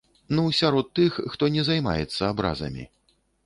Ну, сярод тых, хто не займаецца абразамі.